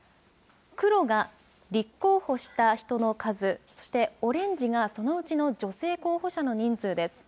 黒が立候補した人の数、そしてオレンジがそのうちの女性候補者の人数です。